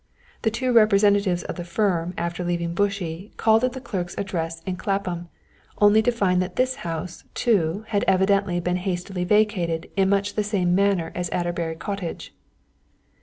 The two representatives of the firm after leaving Bushey called at this clerk's address in Clapham, only to find that this house, too, had evidently been hastily vacated in much the same manner as Adderbury Cottage.